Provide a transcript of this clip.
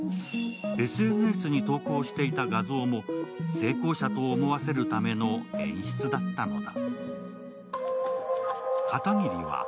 ＳＮＳに投稿していた画像も成功者と思わせるための演出だったのだ。